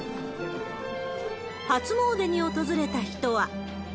初詣に訪れた人は。